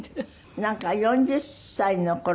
なんか４０歳の頃？